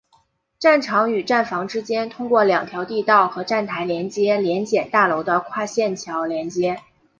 站场与站房之间通过两条地道和站台联接联检大楼的跨线桥连接。